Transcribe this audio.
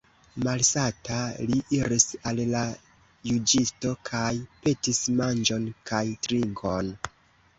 Malsata li iris al la juĝisto kaj petis manĝon kaj trinkon.